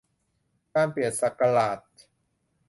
การเปลี่ยนศักราช